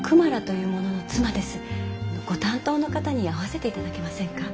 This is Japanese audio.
ご担当の方に会わせていただけませんか？